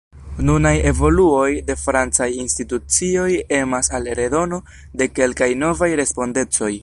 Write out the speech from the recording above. Nunaj evoluoj de francaj institucioj emas al redono de kelkaj novaj respondecoj.